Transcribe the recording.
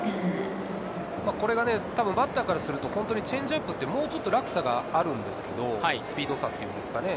これがバッターからすると本当にチェンジアップってもうちょっと落差があるんですけれど、スピード差っていうんですかね。